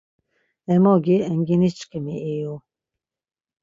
Emogi Enginişǩimi iyu.